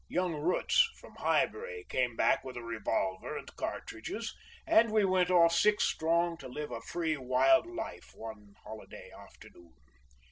Young Roots from Highbury came back with a revolver and cartridges, and we went off six strong to live a free wild life one holiday afternoon.